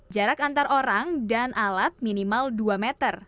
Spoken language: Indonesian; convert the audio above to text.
jarak antar orang dan alat minimal dua meter